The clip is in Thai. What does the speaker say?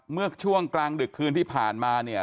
เมื่อช่วงกลางดึกคืนที่ผ่านมาเนี่ย